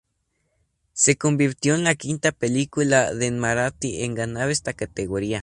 Se convirtió en la quinta película de en maratí en ganar esta categoría.